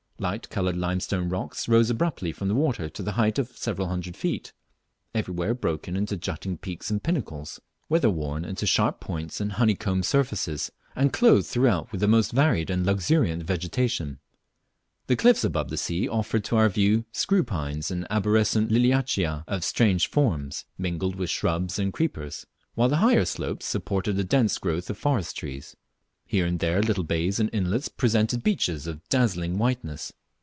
Light coloured limestone rocks rose abruptly from the water to the height of several hundred feet, everywhere broken into jutting peaks and pinnacles, weather worn into sharp points and honeycombed surfaces, and clothed throughout with a most varied and luxuriant vegetation. The cliffs above the sea offered to our view screw pines and arborescent Liliaceae of strange forms, mingled with shrubs and creepers; while the higher slopes supported a dense growth of forest trees. Here and there little bays and inlets presented beaches of dazzling whiteness.